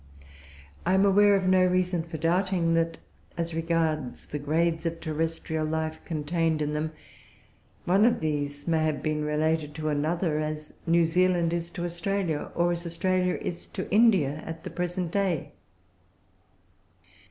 I am aware of no reason for doubting that, as regards the grades of terrestrial life contained in them, one of these may have been related to another as New Zealand is to Australia, or as Australia is to India, at the present day.